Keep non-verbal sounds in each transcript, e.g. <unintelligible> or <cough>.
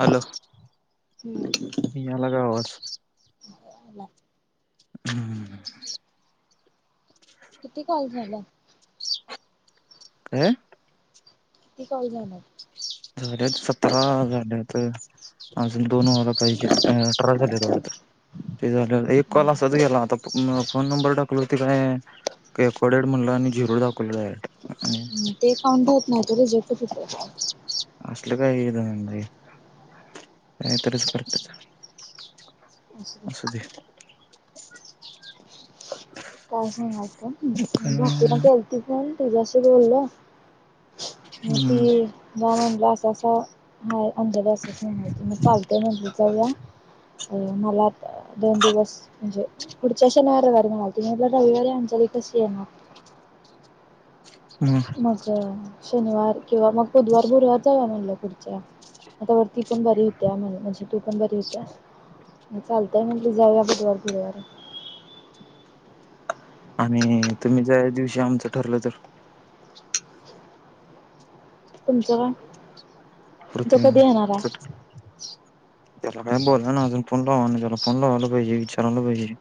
Hello यालागा आवाज ला हम् किती काॉल झालं अं किती काल जाणार झाल्यात सतरा झाल्यात अजून दोन वाला पाहिजे झाले थड ते झा एक वाला असच गेला आता फोन नंबर टाकला ते काय रेकॉर्डेड म्हणलं आणि झिरू दाखवलंडायरेक्ट ते काउंट होत नाहीत रिझलट फुट असल काही म्ह काही तच करत अस असध काय सांगाल का बाकी ना काय कती प तच्याशी बोलल हम्म, ती गावणला अस असा नाही अंध असच नाही माहिती मग चालतय म्हज जा अ म दन दिवस म्हणजे कढचन वर कार्य तला रविवारी अंजलीिक श येणार. मग शनिवार किंवा मग बुधवार बुरुवार जाऊ म्हणलं पुुढच्या आता ती पण बरी होत्या म्हण म्हणजे तू पण बरी होत्या चालत. त्या म्हणली जाया बुटवारद्वारे आणि तुम्ही ज दिवशी आमचं ठरलं तर तुमचं काय? तो प्रती कधी येणार आहे त्याला काय बोलला ना अजून फोन लावा ना त्याला फोन लावायला पाहिजे विचारायला पाहिजे.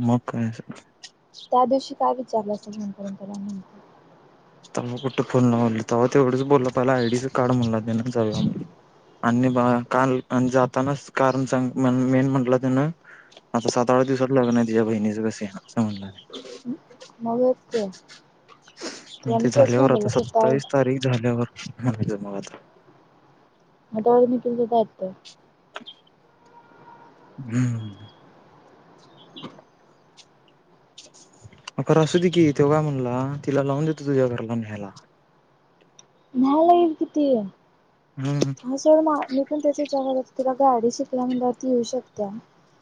मग काय? त्या दिवशी काय विचारलं असं म्हण परंपरा तव्हा कुठे फोन लावोलला तेव्हा तेवढंच बोलला पहिला आयडीच कार्ड म्हणला देणार जावू या म्हणून. आणि बा का जातानाच कारण सांग मेन म्हटलं तन आता साता आठ दिवसात लग्न आहे तिच्या बहिणीच कस मग हेच की तुला मी ते तेच झाल्यावर म्हणलेलं आता सत्तावीस तारीख झाल्यावर मग आता. <unintelligible> हम्म. <unintelligible> अ खर असू दे की तेवघा म्हणला तिला लावून देतो तुझ्या घराला न्यायला? न्यायला येईल कि ती हम्म हा सर म मी पण तेच विचारलोय. तुला गाडी शिकल्या मम्हणजे ती येऊ शकतिया.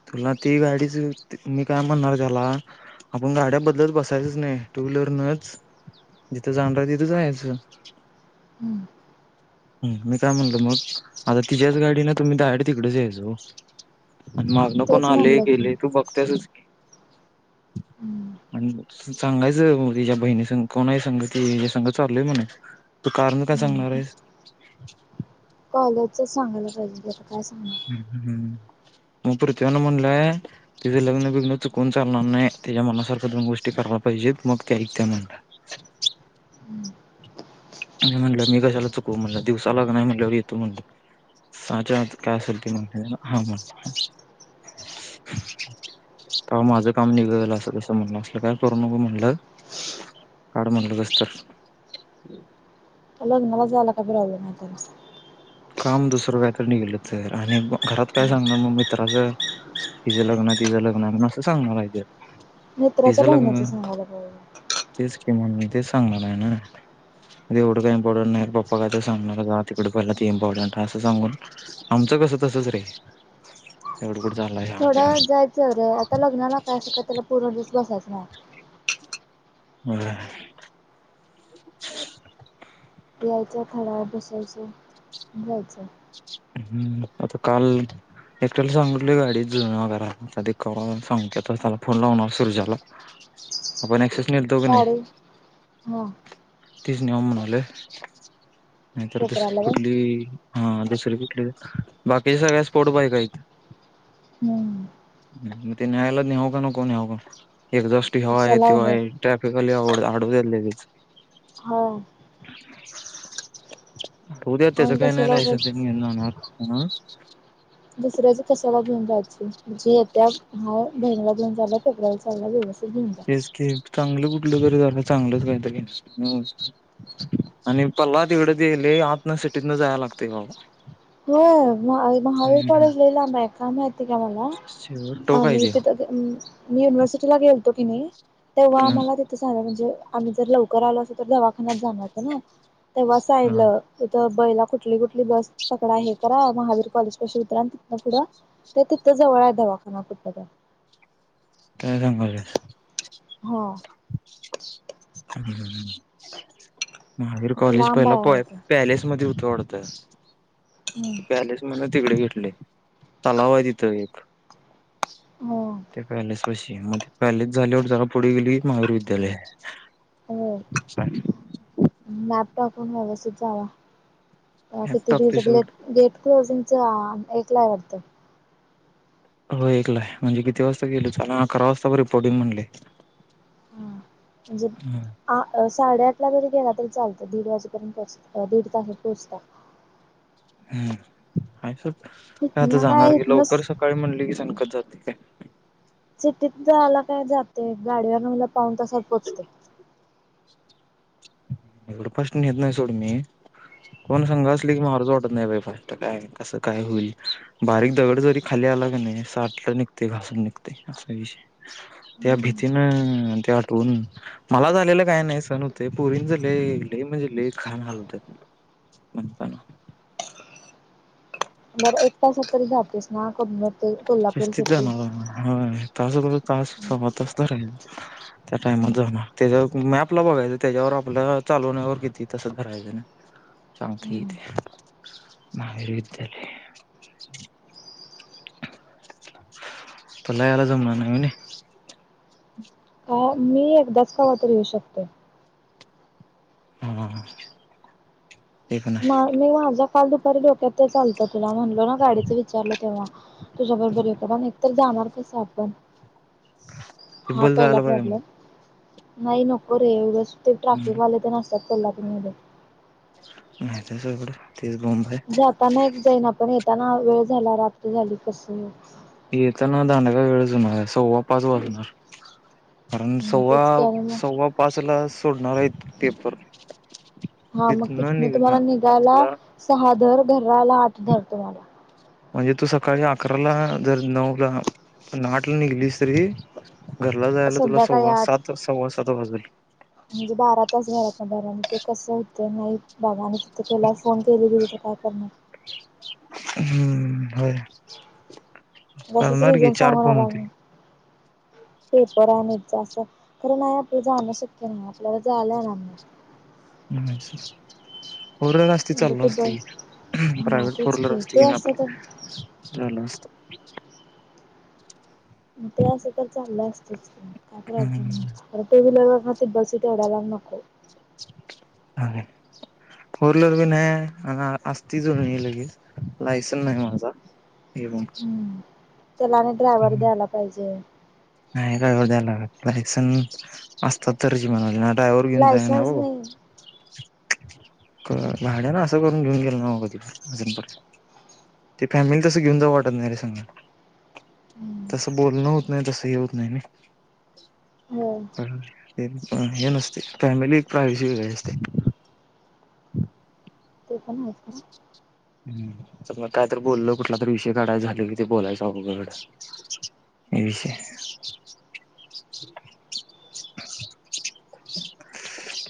तुला ती गाडीच मी काय म्हणणार त्याला आपण गाड्या बदलत बसायचंच नाही. टू व्हीलर नच जिथं जाणार तिथं जायाचं. ह मी काय म्हणलो मग आता तिच्याच गाडी ना तुम्ही डायरेक्ट तिकडेच यायच ओ. आणि मागणं कोण तेच आले म्हणलं की गेले तू बघतासच की? आणि सांगायचं तेच्या बहिणी संग कोण आहे तेच्या संग चालोय मम्हणायचं. तू कारण काय सांगणार आहेस? कॉलेजच सांगायला पाहिजे. काय हम् हम हम्. मग पृथ्वीं न म्हणलंय तिझं लग्न बिघ्न चुकून चालणार नाही तिच्या मनासारख दोन गोष्टी करायला पैसे मग ते एकनात. सांगणार आणि म्हणलं मी कशाला चुकू म्हणलं दिवसा लग्न नाही म्हटलं ए येतो म्हणल. साहाच्या आत काय असल ते म्हणल हा म्हटल. कवा माझं काम निघतलं असं कस म्हणण असल काय करू नको म्हणलं काड म्हणलं कस तर. लग्नाला जायला काही प्रॉब्लेम नाही त्या काम दुसरं काहीत नि गेलं तर आणि घरात काय सांगणार मग मित्राचं तिझं लग्न तिझं लग्न म्हणून असं सांगणार आहे. मित्राच्या तिचं बहिण्याच सांगायला पाहिजे. म्हण ते सांगणार आहे ना एवढं काही इम्पॉर्टंट नाही पप्पा काय सांगणार जा तीकडे पहिला इम्पॉर्टंट असं सांगून आमचं कसं तसच रे कुठं चाललाय थोडं वेळ सांग जायचं अ रे आता लग्नाला काय असं का त्याला पूर्ण दिस बसायचं नाही. हम. यायचं थोडा वेळ बसायचं जायचं. हम्म आता काल एकट्या सांगीतलो गाडीत जुळणा कराय थोड्या वेळाने सांगतो फोन लावणार सुरजा ला. <unintelligible> गाडी ह. तीच निउया म्हणाले नाहीतर दुसरी पेपराला व्हय कुठली हास दुसरी कुठली बाकीच्या सगळ्या स्पोर्ट बाईक हाईत. हम्म. म ते न्यायला नेऊ का नको नेऊ का नको. कशाला उगाच <unintelligible> ट्रॅफिक वाले <unintelligible> लगेच. हा होवू द्या त्याचं आणि काय नाही कशाला लायसन तेन. उगाच मार खाणार. दुसऱ्याच कशाला घेऊन जायचं. जे येत्या हाय बहिणीला घेऊन चालाय पेपरला चालाय तेच की चांगलं कुठलं तरी झालं चांगलंच काहीतरी हं आणि पल्ला तिकडं ते ते आतन सिटीतंन जाया लागतंय बाबा. होय. महावी महावीर हम्म कॉलेज लय लांब आहे, काय माहित ते काय मला शेवट टोक आहे आम्ही तिथ त्यो गे अं मी युनिव्हर्सिटीला गेलतो की नाही तेव्हा हं आम्हाला तिथं सांगाय म्हणजे आम्ही जर लवकर आलो असतो तर दवाखान्यात जाणार होतो ना तेव्हा हा सांगितलं तिथं पहिला कुठली कुठली बस पकडा हे करा महावीर कॉलेज पाशी उतरा आणि तिथनं पुढं त्या तिथं जवळ आहे दवाखाना कुठला तर? काय सांगाल्यास? हा महावीर कॉलेज लांब पहिला आहे पॉय म्हणजे पॅलेस मध्ये होत. तोडत. पॅलेस म्हण तिकडे घेतलंय. तलाव आहे तिथं एक हो. त्या पॅलेस पाशी मध्ये पॅलेस झाल्यावर जरा पुढे गेलीस महावीर विद्यालय हो आहे. <unintelligible> मॅप टाकून व्यवस्थित जावा किती लॅपटॉप दिवस एपिसोड ग्लेट गेट क्लोजिंग च आ ऐकलाय वाटतं? हो एकला होय म्हणजे किती वाजता गेलो चाललं अकरा वाजता पर्यंत रिपोर्टिंग म्हंटलंय. हा म्हणजे आ अस साडेआठला जरी गेला तरी चालतं दीड वाजेपर्यंत पोहोच अ दीड तासात पोहोचता. हम्म. नाही सोड काय आता हितन काय जाणार की हितन लवकर सकाळी म्हणली की सका बस जातय काय? सिटीत जायला काय जातंय गाडीवरन म्हंटल की पाऊन तासात पोहोचतंय. एवढ फास्ट न्हेत नाही सोड मी. कोण संग असलं की मारूच वाटत नाही बाई, फास्ट काय कसं काय होईल बारीक दगड जरी खाली आला कि नाही अस सालट निघतय, घासून निघतय असा विषय आहे. त्या भीतीन त्या तून मला झालेलं काय नाही सहन होत. ते पोरींच लय लय म्हणजे लय घाण हालत्यात म्हणताना. बरं एक तासात तरी जातोयस ना? क शिस्तीत जाणार आहे मी हळूहळू तास, तास सव्वा तास धरायचं. त्या टाइमात जाणार त्याच्यावर मॅपला बघायचं त्याच्यावर आपल्या चालवण्यावर किती तासात धरायचं नाही. सांगतय की ते महावीर विद्यालय. तुला यायला जमणार नाही होयनी. काय मी एकदाच कवातर येऊ शकतोय. हा हा हा. मा मी माझ्या काल दुपारी डोक्यात तेचं आलत. तुला म्हणलो ना गाडीच विचारलं, तेव्हा तुझ्या बरोबर येऊ काय कारण एक तर जाणार कसं आपण ते हा बल पहिला जायला पाहिजे प्रॉब्लेम. नाही नको रे उगच ते ट्रॅफिक मग वाले तेन असत्यात कोल्हापूरमध्ये. त्याशिवाय कुठं? जाताना एक जाईन आपण येताना वेळ झाला रात्र झाली कसं याच. येताना दांडगा वेळच होणार आहे सव्वा पाच वाजणार. कारण सव्वा, तेच की आणि मग सव्वा पाचला सोडणार आहेत पेपर. हा मग तिथनं तिथन तुम्हाला निघणार निघायला पाचला सहा धर घरला यायला आठ धर तुम्हाला. म्हणजे तू सकाळी अकराला जर नऊला आठला निघलीस तरी घरला जायला तुला संध्याकाळी सव्वा आठ सात सव्वा सात वाजल. म्हणजे बारा तास घरातन बाहेर राहणार. ते कसं होतंय नाही बाबा आणि ती तुला फोन केली बिली तर काय करणार. हम्म, होय. तसच करणार की रिझन चार फोन सांगणारला होतील. पेपर आणि जा अस- खर नाही आपलं जाणं शक्य नाही आपल्याला जालं आहे ना? हम फोर व्हीलर असती म्हणजे चाल ते असत बस की हा प्रायव्हेट फोर तेच व्हीलर असते की ते नाही असतं तर आपला चाल असत. <unintelligible> मग ते असं तर चाललं असतचय काय प्रॉब्लेम नव्हता <unintelligible> ह तिकडच केवढ्या लांब नको? हाय फोर व्हीलर बी नाही आहे असती ये लगेच लायसन नाही माझा. ए त्यालाने ड्रायव्हर द्यायला पाहिजे नाही का <unintelligible> ड्रायवर घेऊन जा आहे ना लायसन्स हो नाही क भाड्या न असं करून घेऊन गेलं नाव कधी अजूनपर्यंत ते फॅमिली तसं घेऊन जाऊ वाटत नाही रे सांग हम्म. तसं बोलणं होत नाही तस? ते होत नाही? होय <unintelligible> हे नसते फॅमिली पायजेल असते ते पण आहेस ना. हम्म चल मग काय तर बोलल कुठला तरी विषय काढाय झाले क ते बोलायचं अवघड काय विषय?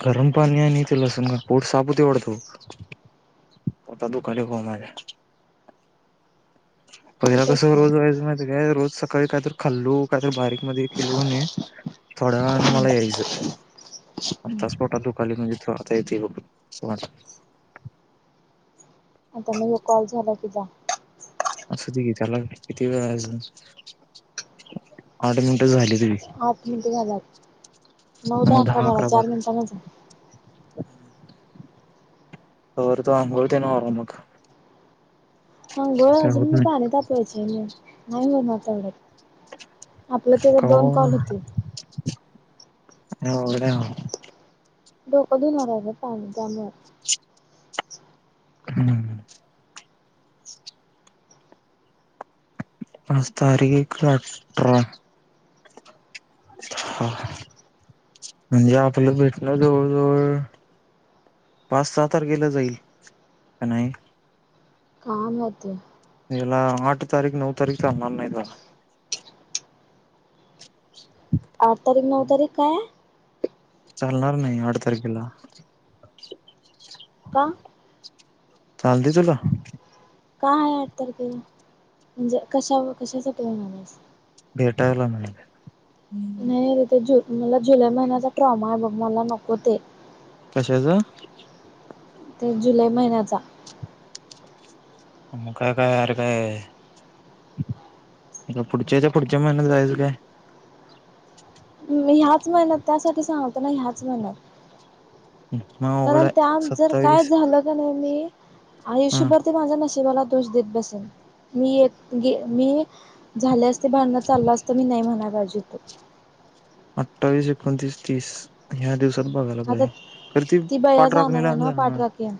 गरम पाणी आहे त लसण पोट साप <unintelligible> होता दुकाने ग माझ पहिला होतच कसं नाही. रोज व्हायचं माहितिय का रोज का काहीत खाल्लू काहीत बारीक मध्ये खालो. थोडा न मला यायचं? आताच पोटात दुखली <unintelligible> आताय येत बघ <unintelligible> आता म कॉल झाला तिजा? असुदे किती वेळ आठ मिनिट झाली? आठ मिनिट झालात नऊ दहा अकरा बारा चार मिनटांन जा त्यावर तर आघळ ते ना आ मग हां अंघोळ काय अजून होत मी नाही पाणी तापवायचे मी नाही होणार तेवढ्यात आपलं तर दोन कवा कॉल होतील <unintelligible> डोकं <unintelligible> पाणी त्यामुळे हम आज तारिख अठरा. ह म्हणजे आपलं भेटन म्हणजे जवळ जवळ. पाच सहा तारखेला जाईल का नाही. हा म ते येला आठ तारीख नऊ तारीख चालणार नाही त्याला आठ तारीख नऊ तारीख काय आहे? चालणार नाही आठ तारखेला? का चालतय तुला? काय आत के म्हणजे कशा कशाच करून आलायस. <unintelligible> नाही तिथ जु मला जुलै महिन्याचा ट्रॉमा आहे बघ मला नको ते कशाच ते जुलै महिन्याचा. म काय काय यार काय पुढच्याच्या पुढच्या महिन्यात जायचं काय? मी ह्याच महिन्यात त्यासाठी सांगतो होतो ना ह्याच महिन्यात मग अवघड कारण त्या आहे जर काय सत्तावीस झालं क नाही मी हा आयुष्यभर ते माझ्या न ते मला दोष देत बसेलं मी एक मी झाल्यास भांडण चाललं असत मी नाही म्हणाय पाहिजे होतं. अठ्ठावीस, एकोणतीस, तीस ह्या दिवस बघायला आता पाहिजे. कारण ती बया पाठराखणी जाणार आहे लांब झाली ना. पाठराखीण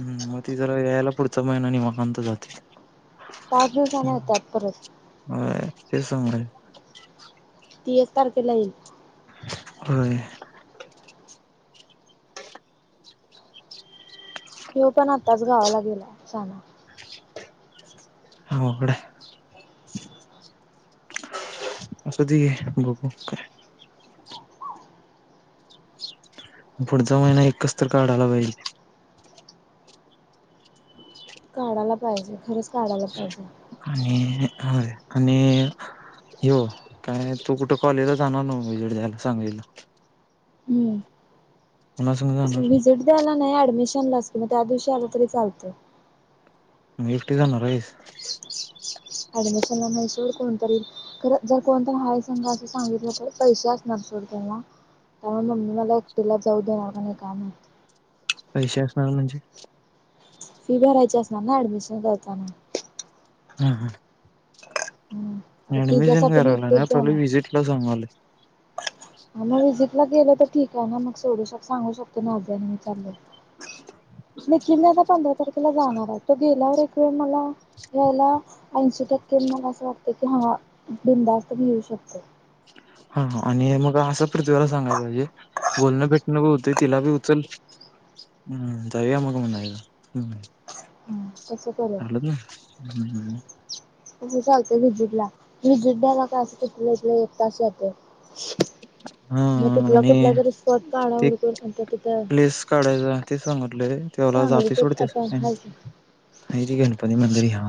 हं मग ती जरा यायला पुढचा महिना निवांत जाते. पाच दिवसान येतात परत. ते सांगाय ती एक तारखेला येईल. होय. ह्यो पण आताच गावाला गेलाय शाना. अवघड हाय. असु दे घे बघू मग काय. पुढचा महिना एकच तर काढाला पाहिजे. <inaudible> काढायला पाहिजे. खरच आणि हा आणि हो काय तो कुठे कॉलेला जाणार नव्हं विजिट द्यायला सांगलीला. कुणासंग जाणार विजिट द्यायला नाही ऍडमिशनलाच की मग त्या दिवशी आल तरी चालतंय. मग एकटी जाणार हाईस? ऍडमिशनला नाही सोड कोणतरी यील. खर जर कोणतय हाय संघ असं सांगितलं तर पैसे असणार सोड त्यांना. त्यामुळे मम्मी मला एकटीलावर जाऊ देणार का नाही काय माहित. पैसे असणार म्हणजे? फी भरायची असणार ना ऍडमिशन करताना. हम्म, हम्म. हम्म आता अऍडमिशन तिच्यासाठी मी कराला नाय एकटीच पण विजिटला जाऊन आलोय. हा मग विजिटला गेलं तर ठीक आहे. मग सोडू शक सांगू शकतोय ना <unintelligible> आणि मी चाललोय. नई किल्या तर पंधरा तारखेला जाणार आहे. तो गेल्यावर एक वेळ मला यायला ऐंशी टक्के मग असं वाटतं हा बिंदास्त घेऊ शकतो. <inaudible> हा आणि मग असं पृथ्वीला सांगायला पाहिजे. बोलणं भेटणं बी होतंय तिला बी उचल हम्म जाऊया मग म्हणायचं, हम्म. तसं करूया. हम्म, हम्म, हम्म. चालतंय विजिटला. विजिट द्यायला काय असं लई तर लई एक तास जातोय. <inaudible> हा मग तिथला आणि कुठला तरी स्पॉट काढा ते हुडकून आणि तो तिथं प्लेस काढायचा ते सांगितलोय. तेव्हाला जातोय सांगलीत सोड एक ते. आता हय हाय की ना <unintelligible> गणपती मंदिर ह